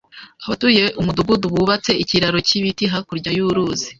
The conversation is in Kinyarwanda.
Abatuye umudugudu bubatse ikiraro cyibiti hakurya y'uruzi.